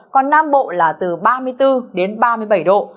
còn nam bộ là từ ba mươi bốn đến ba mươi bảy độ